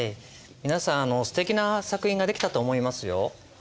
皆さんすてきな作品が出来たと思いますよ。